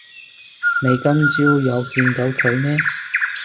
你今朝有見到佢咩